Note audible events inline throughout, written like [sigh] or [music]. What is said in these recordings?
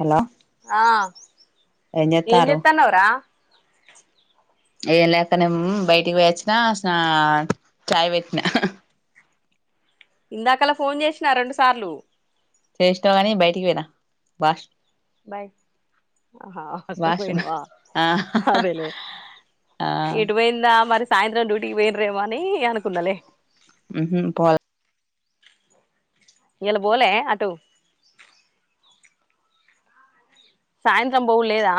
Hello ఆ ఏం చెప్తన్నవురా ఏం లే క్క హ్ బయటికి పోయచ్చినా స్నా చాయ్ వేట్టినా ఇందాకలా ఫోన్ జెసిన రెండు సార్లు చేసినావు గాని బైటికి పోయిన బస్ బయ్ అహా వాష్రూమ్ పోయినవా ఆ అదేలే ఆ ఏటువోయింద మరి సాయంత్రం డ్యూటీ పాయిండ్ర్రెమో అని అనుకున్నాలే ఉ హ్ పోలే ఏయాల బోలే అటు సాయంత్రం పోవుడు లేదా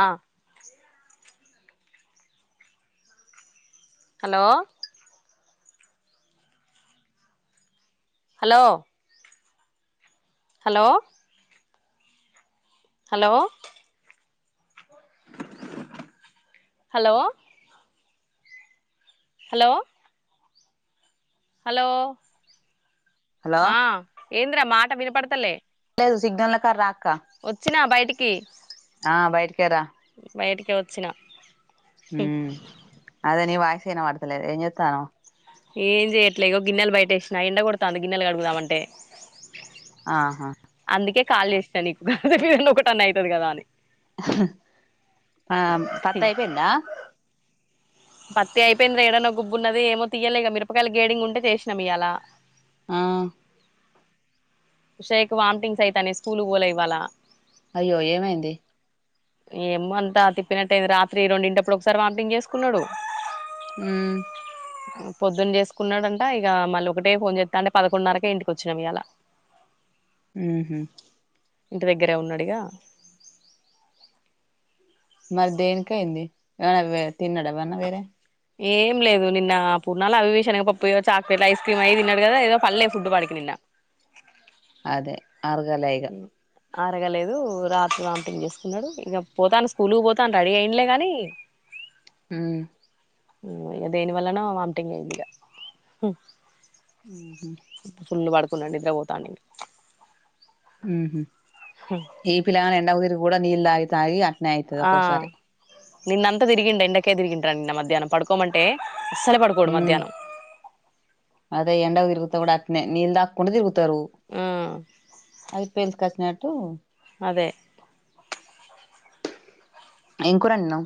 hello hello hello hello hello hello hello hello ఆ ఏంద్రా మాట వినపడతలే లేదు సిగ్లన్ నాకడ రా అక్క వోచ్చిన బయట టికీ ఆ బయటికెర బయటికి వోచ్చిన హ అదే నీ వాయిస్ ఇన వాడుతలే ఏం చెత్తనావు ఏం చేయట్లే ఇగో గిన్నెలు బయట వేసినా ఎండ కొడుతాంది గిన్నెలు కడుగుదామంటే ఆహా నీకే కాల్ చేసిన నీకు ఏది అన్నా ఒకటి ఐతది కదా అని ఆ పత్తా అయ్యిపోయిందా పత్తి అయిపోయింది ఏడాన్న గుబ్బు ఉన్నది ఏమో తీయ్యలేగా మిరపకాయలు గేడింగ్ ఉంటే చేసినాం ఇయ్యల ఆ ఉష్ అయ్యా కు వామిటింగ్స్ అయ్యితనాయ్ స్కూల్ వోలె ఇవ్వాల అయ్యో ఏమైంది ఏమో అంతా తిప్పినట్టయింది రాత్రి రెండింటప్పుడు ఒకసారి వాంటింగ్ చేసుకున్నాడు ఉ పొద్దున్న చేసుకున్నాడంట ఇగ మళ్ళీ ఒకటే ఫోన్ చేత్త అంటే పదకొండున్నరకే ఇంటికి వచ్చినం ఇయ్యల ఉహు ఇంటి దగ్గరే ఉన్నాడుగా మరి దేనికి అయింది ఏమనా వె తిన్నాడ అవన్నా వేరే ఏం లేదు నిన్న పూల్లనా అభీ శనగ పప్పు ఏదో చాక్లెట్లు ఐస్ క్రీమ్ అవి తిన్నాడు కదా ఏదో పల్లె ఫుడ్ వాడికి నిన్న అదే అరుగలే ఇగ ఆరగలేదు రాత్రి వాంథింగ్ చేసుకున్నాడు ఇంగ పోతండు స్కూల్ పోతండు రెడీ అయినలే గాని ఉ దేని వల్లనో వాంటింగ్ అయింది ఇగా ఉహు కున్నా నిద్రపోతాండు ఇగ ఉహ్ ఇ పిల్లగాన్ ఎండకు తిరు కూడా నీళ్లు తాగి తాగి అట్ ఆ నిన్న అంత తిరిగిండు ఎండకే తిరిగిండు రా నిన్న మధ్యాహ్నం పడుకోమంటే అస్సలే పడుకోడు ఉ మధ్యాహ్నం అదే ఎండకు ఇరుగుతే కూడా అట్నే నీల్ తాగు కుండా తిరుగు తారు మ్మ్ అది పెయిల్స్ కి వచ్చినట్టు తో అదే ఏం కూర అండినవు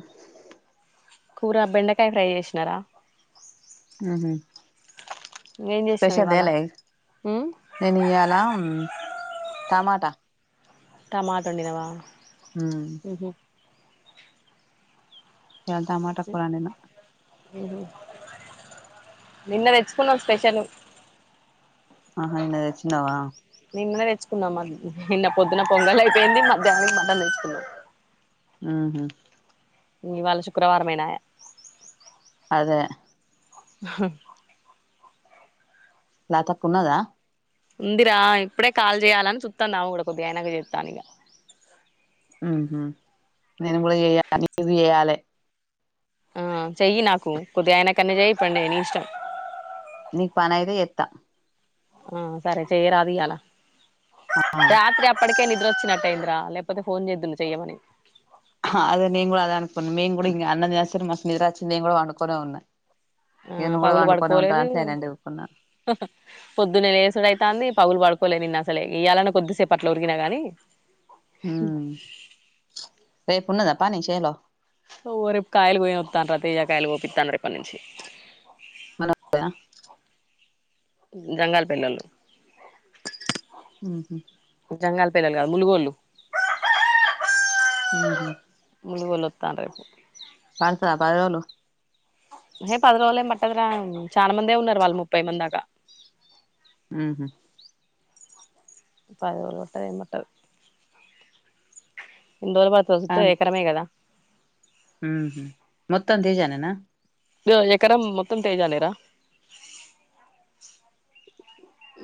కూర బెండకాయ ఫ్రై చేసినారా ఉహు ఏం చేసినావు స్పెషల్ ఇవాళ తేలే మ్మ్ నేను ఇయ్యల టమాటా టమాట వండినవా ఉ మ్మ్ ఎలా టమాట పోలామేనా నిన్న తెచ్చుకున్నాం స్పెషల్ ఆహా నిన్న తెచ్చినావా నిన్న తెచ్చుకున్నాం నిన్న పొద్దున్న పొంగల్ అయిపోయింది మధ్యాహ్నం మటన్ తెచ్చుకున్నాం ఆహా ఇవాళ శుక్రవారంమయినాయా అదే హ లా తక్కు ఉన్నదా ఉందిరా ఇప్పుడే కాలు చేయాలని చుతాన్న కూడా కొద్ది ఆనక చెస్తాని ఇక నేను కూడా న ఇ చేయాలే ఆ చెయ్యి నాకు కొద్దిగా ఆయన కన్నా చెయ్యప్పండి నీ ఇష్టం నీకు పన ఐతే ఏత్తా ఆ సరే చేయరాదియాలా ఆ రాత్రి అప్పడకేను నిద్ర వచ్చినట్టే అయింద్రా లేకపోతే ఫోన్ చేద్లు చెయ్యమని అదే న కూడా అే అనుకోకు మీ కూడా ఇ అన్నదిస మా నిదరాచ్చి నేను కూడా పనుకునే ఉన్నా ఆ ఇగ నువ్వు కూడా పగులు పండుకొనే ఉంటావు పడుకోలేదు అని సైలెంట్ ఊకున్నా పొద్దున లేసడు అైతంది పగులు పడుకో లే నిన్న అసలే ఇవలాన్న కొద్దిసేపట్లో ఉరికిినాగాని రేపున్నద పని చెలో ఓ రేపు కాయలు పోయిస్తాను తజ కాయలు పోపితాను రేప్పటి నుంచి మన గంగాల్ పిల్లళు హ జంగాల్ పిల్లలు కాదు ములుగోళ్ళు హ ములుగోళ్ళు వత్తండ్రు రేపు పడుసద పదలుు ఏ పది రోజులు పట్టదరా చాలా మందే ఉన్నారు వాళ్ళు ముప్పై మందకా ఆహ [unintelligible] ఎన్నిరోజులు పడతాది తో అన్ ఎకరమే కదా మొత్తం తేజనేన ఎకర మొత్తం తేజానేర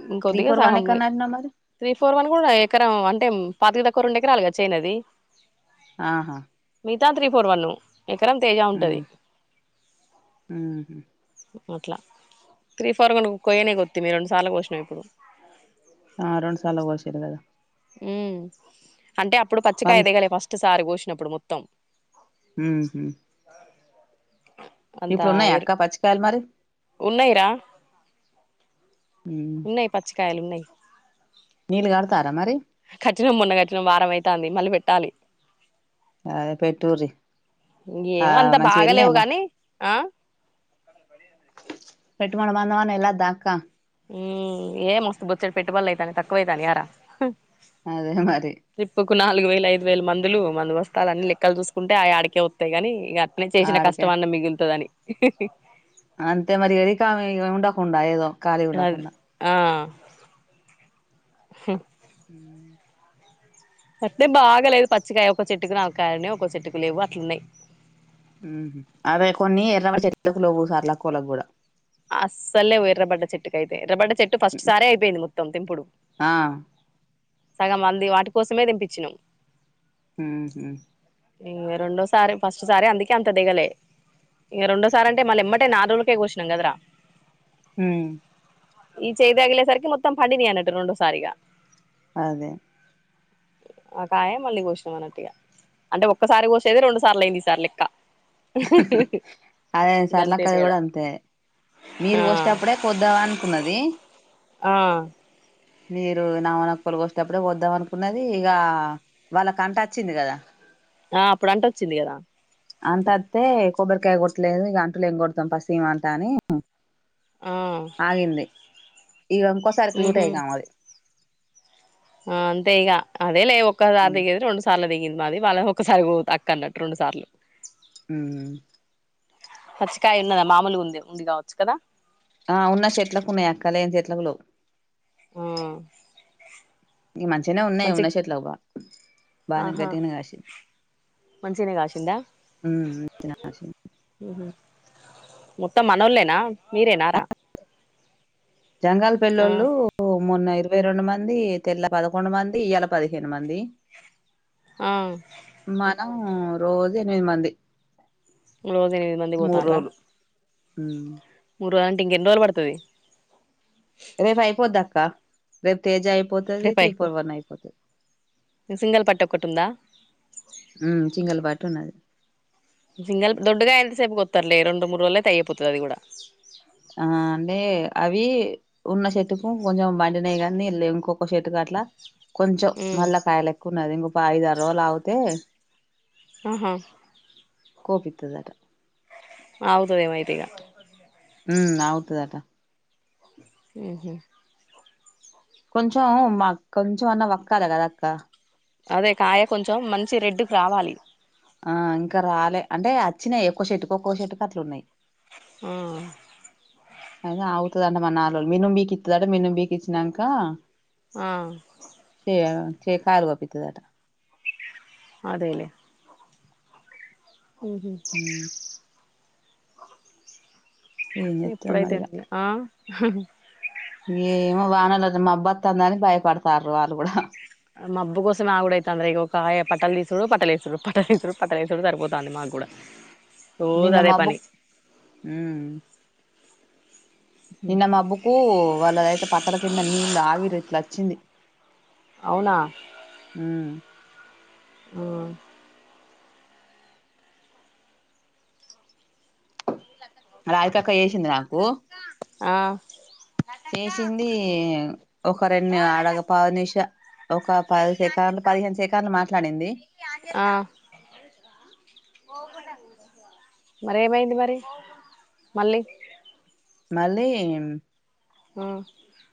ఇం త్రీ కొద్దిగా ఫోర్ వన్ సహము ఎక్కడని నాటినావ్ మరి త్రీ ఫోర్ వన్ కూడా ఎకరం అంటే పాతిక తకువ రెండు ఎకరాలుగా చేనది ఆహా మితా తీ ఫోర్ వన్ ఎకరం తేజ ఉంటది అ అట్లా త్రీ ఫోర్ కొక్కయనే కొత్తి మీ రెండుసార్లు కో వచ్చసినాం ఇప్పుడు ఆ రెండు సాల పోసర కదా ఊ అంటే అప్పుడు పచ్చికాయ మళ్ దిగలే ఫస్ట్ సారి కోసినప్పుడు మొత్తం. ఊహు అంతా ఇప్పుడున్నాయ అక్క పచ్చికాయాలు మరి ఉన్నాయి ఉన్నాయ్ పచ్చికాయలున్నాయ్. నీళ్ గడతారా మరి కట్టినం మొన్న కట్టినం వారం అయితాంది మళ్ళీ పెట్టాలి. అదే పెట్టుర్రి. ఇన్గేమో అంత బాగలేవు గాని ఆ పెట్టు బడి మందమన్న ఎల్లద్ధక్క. ఊ ఏ మస్థ్ బొచ్చడి పెట్టుబడులుు అయితాన్నాయ్ తక్కువైతానియరా, అదే మరి ఒక నాలుగు వేల ఐదు వేల మందులు మందు బస్తాలు అని లెక్కలు చూసుకుంటే ఆయి ఆడికే వాత్తయి కాని ఇక అట్నే చేసిన ఆడికే కష్టం అన్న మిగులుతదని అంతే మరి ఇగదికా ఆమె ఉండకుండా ఏదో ఖాళీ అద్ ఉండకుండా ఆ హు ఊ అట్నే బాగాలేదు పచ్చికాయ ఒక చెట్టుకు నాలుగు కాయలున్నయ్ ఒక చెట్టుకు లేవు అట్లున్నాయి. ఊహు అదే కొన్ని ఎర్రవ చెట్లులో పోసార్ల వాళ్ళక్కొల్లకి కూడా అస్సలే పోయి ఎర్రబడ్డ చెట్టుకు అయితే ఎర్రబడ్డ చెట్టు ఫస్ట్ సారే అయిపోయింది మొత్తం తెంపుడు. ఆ సగం మంది వాటి కోసమే తెంపించినాం. ఊహు ఇక రెండోసారి ఫస్ట్ సారి అందుకే అంత దిగలే ఇక రెండోసారి అంటే మళ్ళీ ఎమ్మట నాల్ రోజులకే కోసినం కదరా ఊ ఈ చేయిదగలే సారికి మొత్తం పండియన్నట్టు రెండోసారిగా అదే ఆ కాయ మళ్ళీ కోసినం అన్నట్టుగా అంటే ఒక్కసారి కోసేది రెండు సార్లు అయింది ఈ సారి లెక్క అదే గంతే సర్లక్కది తేడా కూడా అంతే మీరు ఆ కొషేటప్పుడే కొద్దామనుకున్నది. ఆ మీరు నాగమనక్కోలు కొసేటప్పుడే కోద్దాం అనుకున్నది ఇక వాళ్ళ కంటచ్చింది కదా ఆ అప్పుడు అంట వచ్చింది కదా అంత అంతే కొబ్బరికాయ కొట్టలేదు ఇక అంటులు ఏం కొడతాం పసిమఅంతా అని అ ఆ ఇగ ఇంకోసారి ఉహు క్లూటాయినమాది. ఆ అంతే ఇగ అదే లే ఒకసారి ఉ దిగేది రెండు సార్లు దిగింది మాది వాళ్ళ ఒకసారి తక్కు అన్నట్టు రెండు సార్లు హమ్ పచ్చికాయ ఉన్నద మామూలుగా ఉంది ఉంది కావచ్చు కదా ఆ ఉన్న చెట్లకు ఉన్నాయి అక్కలేని చెట్లకు లోవు హా ఇ మంచిగానే ఉన్నాయి ఉన్న చెట్ల బా బానే ఆహా గట్టిన కాసాయి మంచిగనే కాసిందా హమ్ మొత్తం మనోలేనా మీరేనారా జంగాల్ ఆ పెళ్ళోళ్ళు మొన్న ఇరవై రెండు మంది తెల్ల పదకొండు మంది ఇయళ పదిహేను మంది ఆ ఆ రోజు ఎనిమిది మంది రోజు ఎనిమిది మంది పోతండ్ర హమ్ అంటే ఇంకెన్ని రోజులు పడుతది రేపు అయిపోద్దాక్క రేపు తేజ అయిపో పోతాది రేపు త్రీ అయిపో ఫోర్ వన్ అయిపోతది సింగల్ పట్టు ఒక్కటి ఉందా హమ్ సింగల్ బట్ నున్నది సింగల్ దొండకాయ ఎంతసేపూ కోస్తారులే రెండు మూడు రోజల అయితే అయిపోతది అది కూడా ఆ అంటే అవి ఉన్న చెట్టుకు కొంచెం పండినాయి కానీ ఇంకొక చెట్కు అట్ల కొంచెం ఉమ్ మల్ల కాయలు ఎక్కువ ఉన్నది ఇంకొ అయిదుదారు రోజులు ఆగితే ఆహా కోపితది అట అవుదుదేమైతేగా హ అవుతాదటా హమ్ హమ్ కొంచం మా కొంచెం అన్న వక్కలీ కద అక్క అదే కాయ కొంచెం మంచి రెడ్డుగ రావాలి ఆ ఇంకా రాలే అంటే వచ్చినాయి ఎక్క్కో చెట్టుకి ఒక్కో చెట్టుకు అట్లున్నాయి ఆ అద అవుతాడంట మాన రోజు మినుం బికిస్తాడంట మినుం బీ కిచ్చినాక ఆ కాయలు కోపిస్తాదట అదేలేే ఉహు ఉమ్, ఏం చేత్తదో మరి ఇగ ఎప్పుడైతేనేంలే ఆ హ ఏమో వానలు మబ్బత్ అత్తాందని భయపడతారు వాళ్ళు కూడా మబ్బు కోసం ఆగుడ అయితు అండ్రు ఒక పట్టలు తీసుడు పట్టలు వేసుడు పట్టలు తీసుడు పట్టలు వేసుడు సరిపోతాంది మాకు కూడా రోజు నిన్న మ అదే బ్బు పని క్ నిన్న మబ్బుకు వాళ్ళ ద అయితే పట్టల కింద నీళ్ళు ఆవిరిట్ల వచ్చింది అవునా ఉమ్ హమ్ రాధికక్క చేసింది నాకు ఆ చేసింది ఒక రెండు అడగ పదు నిష ఒక పది సెకన్లు పదిహేను సెకన్లు మాట్లాడింది ఆ మరి ఏమైంది మరి మళ్ళీ మళ్ళీ మ్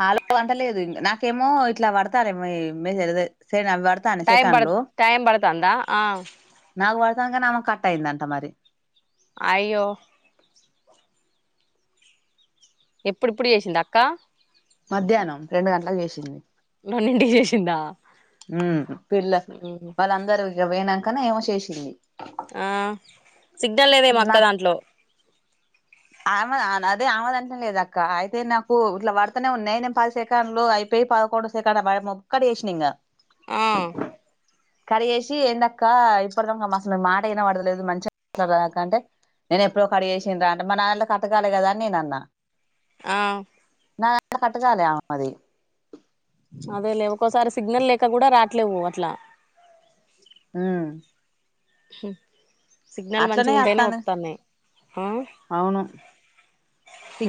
అలో వందలేదు ఇంగ నాకేమో ఇట్లా పడతారేమొ ఈ మెసెజు టైం పడు టైం పడుతాందా ఆ సంగన ఆమె కట్ అయిందంట మరి అయ్యో ఎప్పుడు ఇప్పుడు చేసింద అక్క మధ్యాహ్నం రెండు గంటలకు చేసింది [unintelligible] చేసిండా మ్ పిల్ల వాళ్ళందరూ ఇగ పొయినంక నె ఏమో చేసింది ఆ సిగ్నల్ లేదేమో అక్క దాంట్లో ఆమెద నదే ఆమెదంటనె లేదు అక్క అయితే నాకు ఇట్లా పడతనే ఉన్నాయ్ నేనే పది సెకండ్లు అయిపోయి పదకొండో సెకండ [unintelligible] మోక్కటి చేసినా ఇంగ ఆ కడి చేేసి ఏందక్క ఇప్పుడుదాంక మసలు మాట ఇన పడదతలేదు మంచి దాక అంటే నేను ఎప్పుడో కట్ చేేసిన్రా [unintelligible] కట్ కాలే కదా నేన అన్న ఆ న కట్టగాలి ఆ మది అదే లే ఒక్కోసారి సిగ్నల్ లేక కూడా రాట్లేవు అట్లా ఉమ్ మ్ సిగ్నల్ మంచి అట్లనే ఉంటేనే వత్తాంది వత్తాన్నాయ్ అ అవును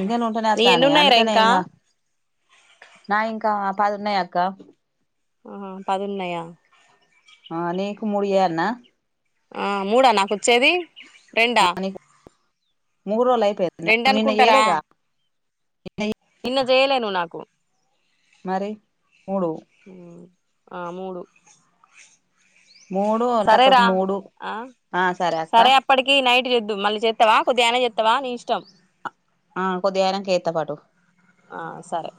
అ ఎన్ని ఉన్నాయరా ఇంకా నా వి ఇంకా పదున్నాయి అక్క ఆ పదున్నయ ఆ నీకు ముడు ఇయ్యాలన ఆ మూడా నాకు వచ్చేది రెండా నీకు మూడు రోజులు అయిపోయిందా రెండు నిన్న అనుకుంటారా చేయలేగా నిన్న చేయలేవు నాకు మరి మూడు ఆ మూడు మూడు తక్కకు సరేరా మూడు ఆ సరే అక్క చేద్దు మళ్ళీ చెత్తావా కొద్దిగాన చెత్తావా నీ ఇష్టం ఆ కొద్దిగా అయినంక కేత పట్టు ఆ సరే